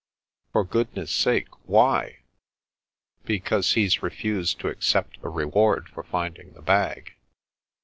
" For goodness' sake, why ?"Because he's refused to accept the reward for finding the bag."